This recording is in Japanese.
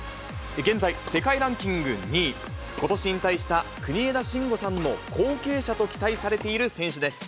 現在、世界ランキング２位。ことし引退した国枝慎吾さんの後継者と期待されている選手です。